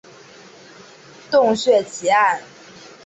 洞穴奇案。